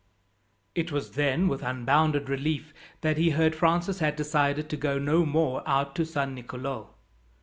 It was, then, with unbounded relief that he heard Francis had decided to go no more out to San Nicolo.